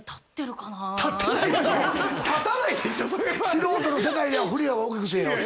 素人の世界では「振り幅大きくせえよ」